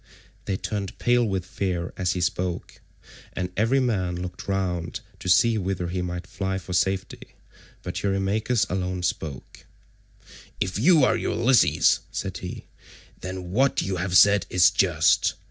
They turned pale with fear as he spoke, and every man looked round about to see whither he might fly for safety, but Eurymachus alone spoke. "If you are Ulysses," said he, "then what you have said is just.